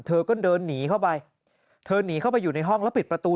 เธอก็เดินหนีเข้าไปเธอหนีเข้าไปอยู่ในห้องแล้วปิดประตู